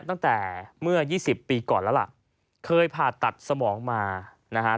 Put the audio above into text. ตั้งแต่เมื่อยี่สิบปีก่อนแล้วล่ะเคยผ่าตัดสมองมานะฮะ